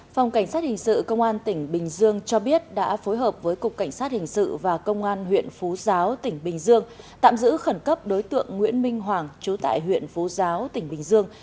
phòng cảnh sát hình sự công an tỉnh bình dương cho biết đã phối hợp với cục cảnh sát hình sự và công an huyện phú giáo tỉnh bình dương tạm giữ khẩn cấp đối tượng nguyễn minh hoàng trú tại huyện phú giáo tỉnh bình dương